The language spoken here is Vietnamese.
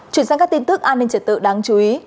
chuyển sang các tin tức an ninh trật tự đáng chú ý